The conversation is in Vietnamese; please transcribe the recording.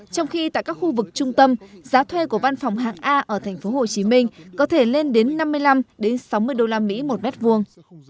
trong khi tại các khu vực trung tâm giá thuê của văn phòng hạng a ở thành phố hồ chí minh có thể lên đến năm mươi năm sáu mươi đô la mỹ một mét vuông